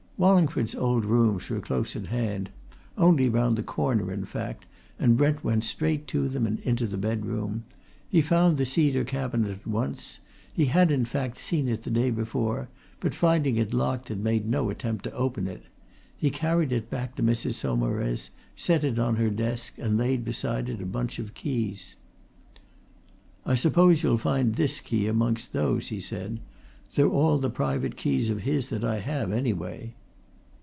Wallingford's old rooms were close at hand only round the corner, in fact and Brent went straight to them and into the bedroom. He found the cedar cabinet at once; he had, in fact, seen it the day before, but finding it locked had made no attempt to open it. He carried it back to Mrs. Saumarez, set it on her desk, and laid beside it a bunch of keys. "I suppose you'll find this key amongst those," he said. "They're all the private keys of his that I have anyway."